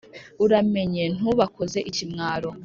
Uramenye ntubakoze ikimwaro !